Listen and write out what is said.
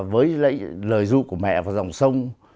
với lời ru của mẹ và dòng sông